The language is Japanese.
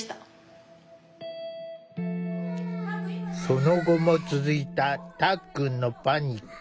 その後も続いたたっくんのパニック。